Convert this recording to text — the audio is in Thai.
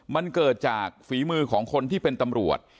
มันเกิดจากฝีมือของคนที่เป็นตำรวจ